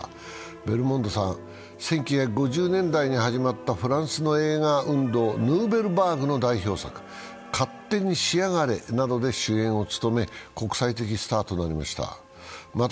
ベルモンドさん、１９５０年代に始まったフランスの映画運動、ヌーベルバーグの代表作、「勝手にしやがれ」などで主演を務め国際的スターとなりました。